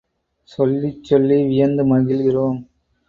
சொல்லிச் சொல்லி வியந்து மகிழ்கிறோம்.